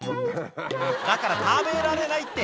だから食べられないって！